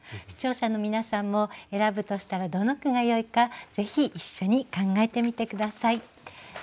視聴者の皆さんも選ぶとしたらどの句がよいかぜひ一緒に考えてみて下さい。